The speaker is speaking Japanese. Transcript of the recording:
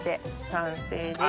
完成です。